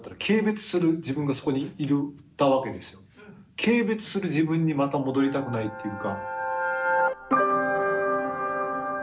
軽蔑する自分にまた戻りたくないっていうか。